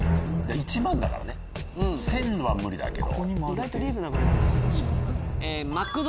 １万だからね１０００は無理だけど。